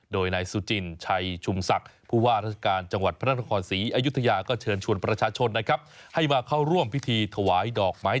โดยนายซูจินชัยชุมศักดิ์ผู้ว่าราชการจังหวัดพระนครศรีอยุธยาก็เชิญชวนประชาชนนะครับ